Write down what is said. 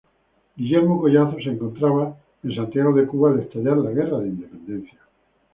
Guillermo Collazo se encontraba en Santiago de Cuba al estallar la Guerra de independencia.